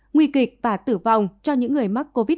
nguy kịch và tử vong cho những người mắc covid một mươi chín